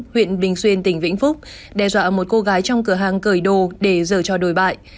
huyện bình xuyên tỉnh vĩnh phúc đe dọa một cô gái trong cửa hàng cởi đồ để dở cho đồi bại